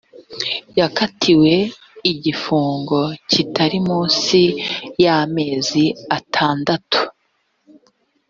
yakatiwe igifungo kitari munsi y’amezi atandatu